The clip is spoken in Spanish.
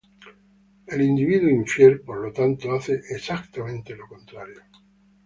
El individuo infiel, por lo tanto, hace exactamente lo contrario.